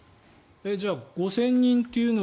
じゃあ５０００人というのは。